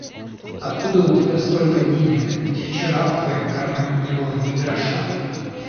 Откуда у тебя столько денег, ведь вчера в твоём кармане не было ни гроша?